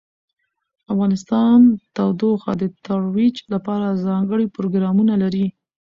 افغانستان د تودوخه د ترویج لپاره ځانګړي پروګرامونه لري.